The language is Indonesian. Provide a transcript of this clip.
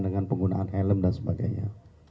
dengan penggunaan helm dan sebagainya